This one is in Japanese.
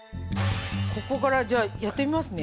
ここからじゃあやってみますね。